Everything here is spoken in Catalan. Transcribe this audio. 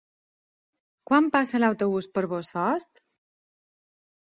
Quan passa l'autobús per Bossòst?